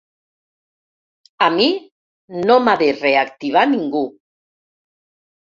A mi no m’ha de reactivar ningú.